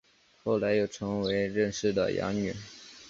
后来又成为任氏的养女。